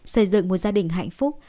xây dựng một gia đình hạnh phúc